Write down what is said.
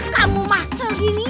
kamu mah segini